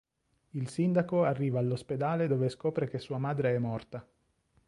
Il sindaco arriva all'ospedale dove scopre che sua madre è morta.